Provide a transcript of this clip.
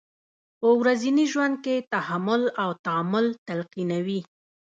په ورځني ژوند کې تحمل او تامل تلقینوي.